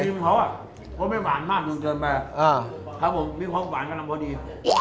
จริงของเค้าก็แบบมากมายเติมต่อตอบผมมีความหวานกำลังก็ดี